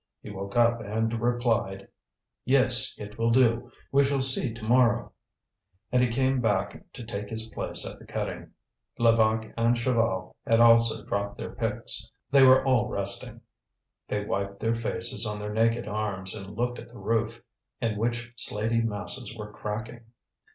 He woke up and replied: "Yes, it will do; we shall see to morrow." And he came back to take his place at the cutting. Levaque and Chaval had also dropped their picks. They were all resting. They wiped their faces on their naked arms and looked at the roof, in which slaty masses were cracking.